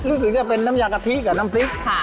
รู้สึกจะเป็นน้ำยากะทิกับน้ำพริก